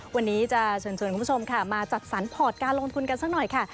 วันนี้จะเชิญชวนคุณผู้ชมค่ะมาจัดสรรพการลงทุนกันสักหน่อยค่ะ